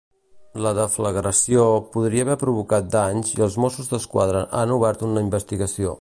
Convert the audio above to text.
La deflagració podria haver provocat danys i els Mossos d'Esquadra han obert una investigació.